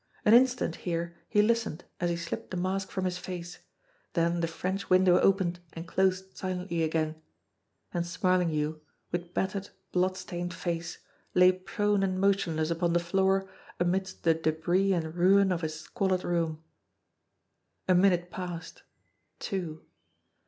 An instant here he listened as he slipped the mask from his face, then the French window opened and closed silently again and Smar linghue, with battered, blood stained face lay prone and mo tionless upon the floor amidst the debris and ruin of his squalid room. A minute passed two.